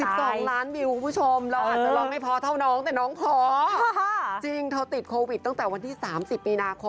จ่ายให้รองให้พอเต้นตามพอจิงเทิ่มติดโควิดตั้งแต่วันที่๓๐ปี